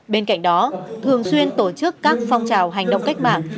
bên cạnh đó thường xuyên tổ chức các phong trào hành động cách mạng